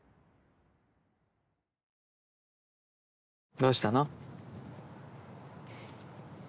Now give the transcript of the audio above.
どうしたの？